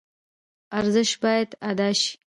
ارزش باید ادا شي.